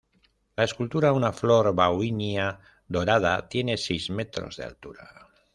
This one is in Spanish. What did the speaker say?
La escultura, una flor bauhinia dorada, tiene seis metros de altura.